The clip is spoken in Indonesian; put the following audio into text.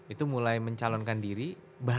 itu mulai mencalonkan diri